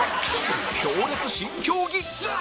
強烈新競技